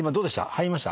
入りました？